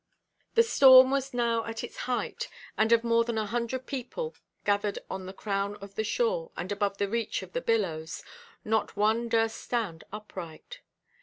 The storm was now at its height; and of more than a hundred people gathered on the crown of the shore, and above the reach of the billows, not one durst stand upright.